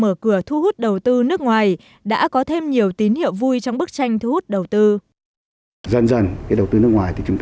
mở cửa thu hút đầu tư nước ngoài đã có thêm nhiều tín hiệu vui trong bức tranh thu hút đầu tư